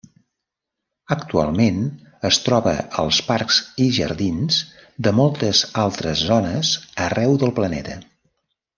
Actualment es troba als parcs i jardins de moltes altres zones arreu del planeta.